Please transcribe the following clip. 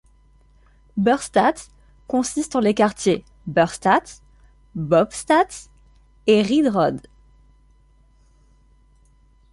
Bürstadt consiste en les quartiers Bürstadt, Bobstadt et Riedrode.